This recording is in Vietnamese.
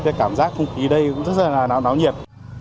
cảm giác không khí đây cũng rất là đẹp